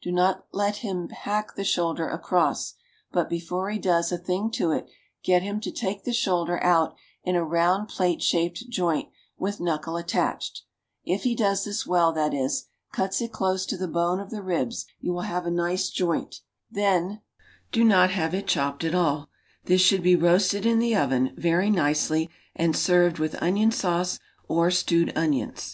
Do not then let him hack the shoulder across, but, before he does a thing to it, get him to take the shoulder out in a round plate shaped joint, with knuckle attached; if he does this well, that is, cuts it close to the bone of the ribs, you will have a nice joint; then do not have it chopped at all; this should be roasted in the oven very nicely, and served with onion sauce or stewed onions.